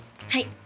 はい。